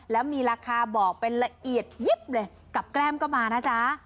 แล้วมีราคาบอกเป็นละเอียดยิบเลยกับแก้มก็มานะจ๊ะ